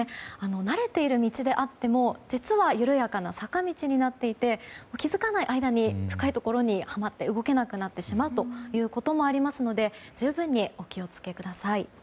慣れている道であっても実は緩やかな坂道になっていて気づかない間に深いところにはまって動けなくなってしまうこともありますので十分にお気をつけください。